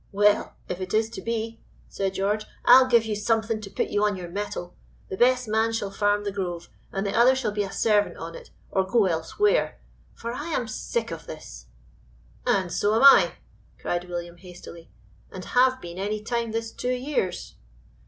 "Well, if it is to be," said George, "I'll give you something to put you on your mettle. The best man shall farm 'The Grove,' and the other shall be a servant on it, or go elsewhere, for I am sick of this." "And so am I!" cried William, hastily; "and have been any time this two years."